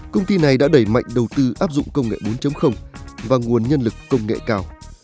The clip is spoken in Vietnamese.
công ty này đã đẩy mạnh đầu tư áp dụng công nghệ bốn và nguồn nhân lực công nghệ cao